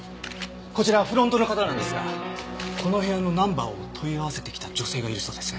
こちらフロントの方なんですがこの部屋のナンバーを問い合わせてきた女性がいるそうです。